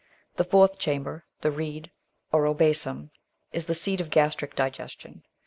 The fourth chamber, the reed or abomasum, is the seat of gastric digestion.